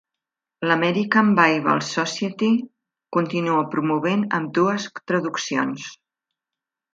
L'American Bible Society continua promovent ambdues traduccions.